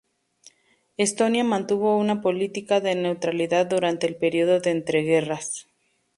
Estonia mantuvo una política de neutralidad durante el período de entreguerras.